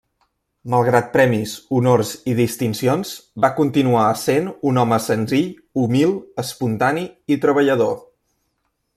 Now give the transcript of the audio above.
Malgrat premis, honors i distincions, va continuar essent un home senzill, humil, espontani i treballador.